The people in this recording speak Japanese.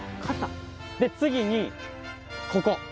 で次にここ。